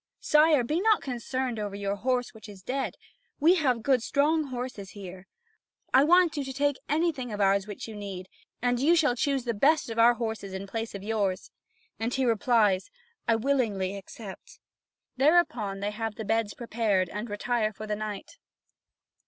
Sire, be not concerned over your horse which is dead. We have good strong horses here. I want you to take anything of ours which you need, and you shall choose the best of our horses in place of yours." And he replies: "I willingly accept." Thereupon, they have the beds prepared and retire for the night.